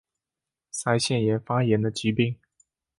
腮腺炎发炎的疾病。